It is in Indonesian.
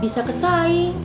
bisa di jual online